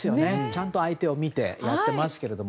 ちゃんと、相手を見てやっていますけど。